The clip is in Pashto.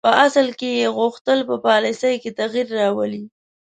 په اصل کې یې غوښتل په پالیسي کې تغییر راولي.